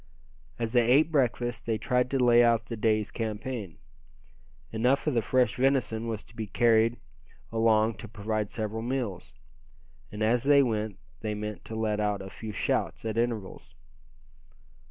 As they ate breakfast they tried to lay out the day's campaign. Enough of the fresh venison was to be carried along to provide several meals. And as they went, they meant to let out a few shouts at intervals.